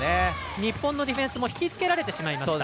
日本のディフェンスも引きつけられてしまいました。